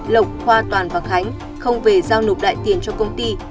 lộc khoa toàn và khánh không về giao nộp đại tiền cho công ty